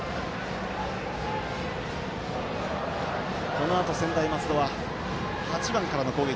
このあと専大松戸は８番からの攻撃。